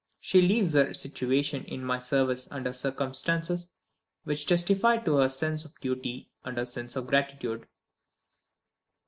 She leaves her situation in my service under circumstances which testify to her sense of duty and her sense of gratitude."